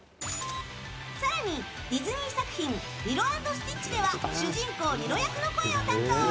更に、ディズニー作品「リロ・アンド・スティッチ」で主人公リロ役の声を担当。